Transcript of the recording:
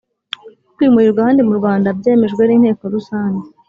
kwimurirwa ahandi mu Rwanda byemejwe n’inteko rusange